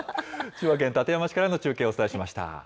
千葉県館山市からの中継をお伝えしました。